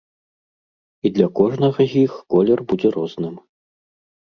І для кожнага з іх колер будзе розным.